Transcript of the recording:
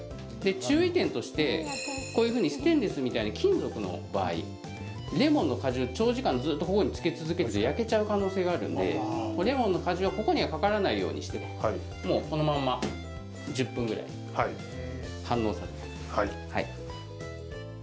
注意点として、こういうふうにステンレスみたいな金属の場合レモンの果汁、長時間つけ続けて焼けちゃう可能性があるのでレモンの果汁をここにはかからないようにしてもう、このまんま１０分ぐらい反応させます。